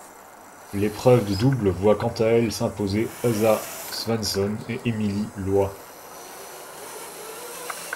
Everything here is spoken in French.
L'épreuve de double voit quant à elle s'imposer Åsa Svensson et Émilie Loit.